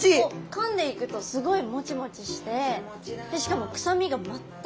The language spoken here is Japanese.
かんでいくとすごいもちもちしてしかも臭みが全くない。